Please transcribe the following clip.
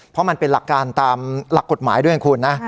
เพราะมันเป็นหลักการตามหลักกฎหมายด้วยคุณนะ